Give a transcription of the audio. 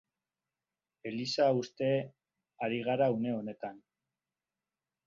Eliza husten ari gara une honetan.